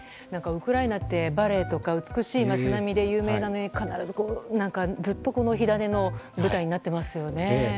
ウクライナってバレエとか美しい街並みで有名なんですが、ずっと火種の舞台になっていますよね。